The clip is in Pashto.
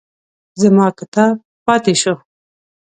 زما کتاب پاتې شو.